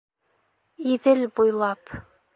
Иҙел буйлап.